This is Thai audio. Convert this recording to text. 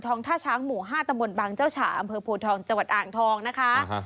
ท่าช้างหมู่๕ตำบลบางเจ้าฉาอำเภอโพทองจังหวัดอ่างทองนะคะ